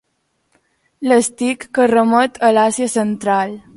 L'Steak que remet a l'Àsia Central.